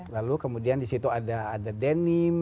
lalu kemudian di situ ada denim